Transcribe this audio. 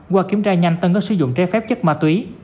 qua kiểm tra nhanh tân có sử dụng trái phép chất ma túy